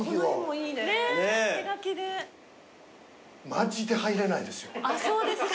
マジで入れないですよ。